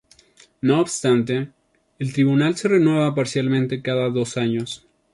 No obstante, el tribunal se renueva parcialmente cada dos años.